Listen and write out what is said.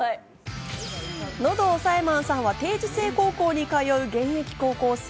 喉押さえマンさんは定時制高校に通う現役高校生。